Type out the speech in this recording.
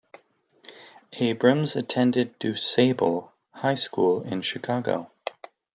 Abrams attended DuSable High School in Chicago.